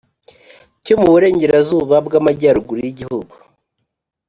cyo mu burengerazuba bw'amajyaruguru y'igihugu.